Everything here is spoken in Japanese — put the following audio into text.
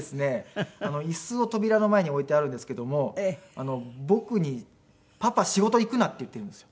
椅子を扉の前に置いてあるんですけども僕に「パパ仕事行くな」って言っているんですよ。